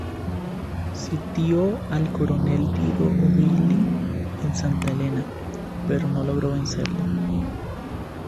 Sitió al coronel Diego O'Reilly en Santa Elena, pero no logró vencerlo.